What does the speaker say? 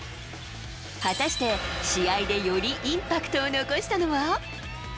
果たして試合でよりインパクトを残したのは。